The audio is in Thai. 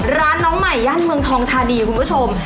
น้องใหม่ย่านเมืองทองทานีคุณผู้ชม